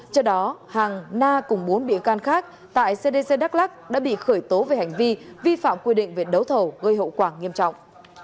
trước đó hàng na cùng bốn bị can khác tại cdc đắk lắc đã bị khởi tố về hành vi vi phạm quy định về đấu thầu gây hậu quả nghiêm trọng